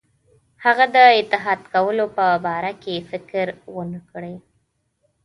هغه د اتحاد کولو په باره کې فکر ونه کړي.